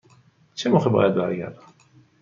چه موقع باید برگردم؟